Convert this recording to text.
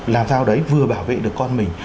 làm sao đấy vừa bảo vệ được con mình